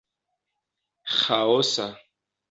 ĥaosa